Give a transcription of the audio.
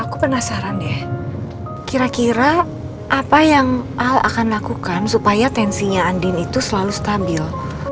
aku penasaran deh kira kira apa yang al akan lakukan supaya tensinya andin itu selalu stabil